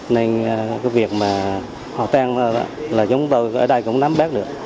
nên cái việc mà họ tan là chúng tôi ở đây cũng nắm bác được